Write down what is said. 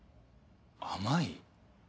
甘い？